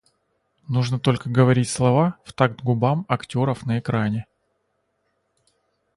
Нужно только говорить слова в такт губам актеров на экране.